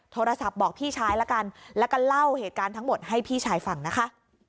โทรศัพท์บอกพี่ชายละกันแล้วก็เล่าเหตุการณ์ทั้งหมดให้พี่ชายฟังนะคะ